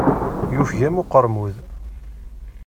Yufeg-am uqermud.